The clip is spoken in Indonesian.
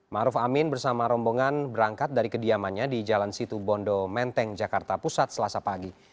maruf amin bersama rombongan berangkat dari kediamannya di jalan situbondo menteng jakarta pusat selasa pagi